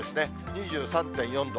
２３．４度。